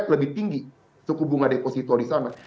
lebih tinggi suku bunga deposito di sana